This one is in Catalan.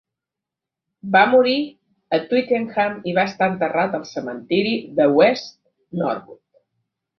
Va morir a Twickenham i va ser enterrat al cementiri de West Norwood.